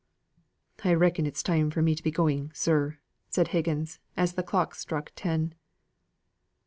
"I reckon it's time for me to be going, sir," said Higgins, as the clock struck ten.